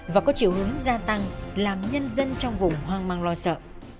và có chiều hướng gia tăng làm nhân dân trong vùng hoang mang lo sợ